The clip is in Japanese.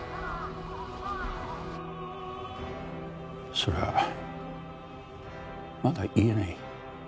それはまだ言えない。